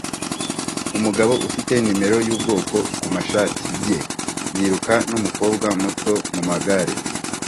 Umugabo ufite numero yubwoko kumashati ye yiruka numukobwa muto mumugare